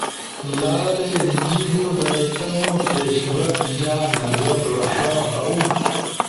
لالے جیِبو در تمو پیشرفت جا نظر رݜا اؤ